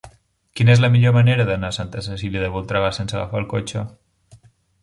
Quina és la millor manera d'anar a Santa Cecília de Voltregà sense agafar el cotxe?